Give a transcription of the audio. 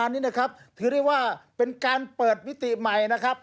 อันนี้นะครับถือได้ว่าเป็นการเปิดมิติใหม่นะครับ